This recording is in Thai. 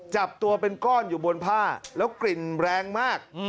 จับตัวเป็นก้อนอยู่บนผ้าแล้วกลิ่นแรงมาก